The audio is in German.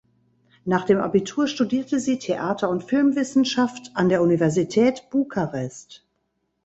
Nach dem Abitur studierte sie Theater- und Filmwissenschaft an der Universität Bukarest.